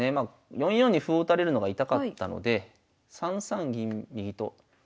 ４四に歩を打たれるのが痛かったので３三銀右とかわします。